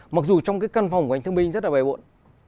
mặc dù trong cái căn phòng của anh thương binh rất là bề bộn